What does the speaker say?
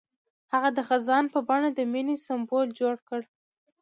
هغه د خزان په بڼه د مینې سمبول جوړ کړ.